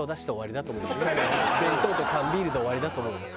弁当と缶ビールで終わりだと思うよ。